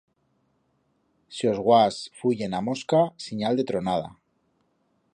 Si os buas fuyen a mosca, sinyal de tronada.